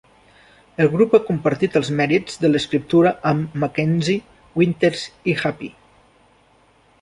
El grup ha compartit els mèrits de l'escriptura amb MacKenzie, Winters i Happy.